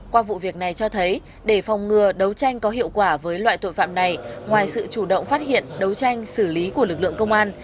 qua vụ việc này cho thấy để phòng ngừa đấu tranh có hiệu quả với loại tội phạm này ngoài sự chủ động phát hiện đấu tranh xử lý của lực lượng công an